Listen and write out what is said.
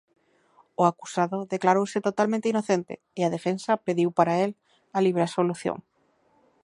O acusado declarouse totalmente inocente, e a defensa pediu para el a libre absolución.